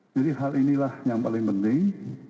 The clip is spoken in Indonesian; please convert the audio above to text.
jadi hal inilah yang paling penting